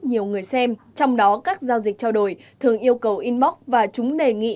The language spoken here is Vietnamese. nhiều người xem trong đó các giao dịch trao đổi thường yêu cầu inmok và chúng đề nghị